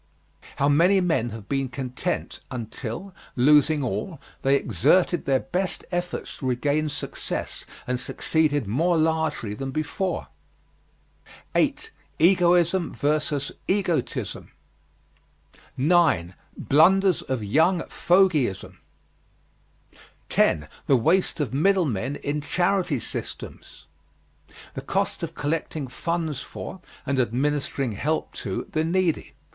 How many men have been content until, losing all, they exerted their best efforts to regain success, and succeeded more largely than before. 8. EGOISM vs. EGOTISM. 9. BLUNDERS OF YOUNG FOGYISM. 10. THE WASTE OF MIDDLE MEN IN CHARITY SYSTEMS. The cost of collecting funds for, and administering help to, the needy.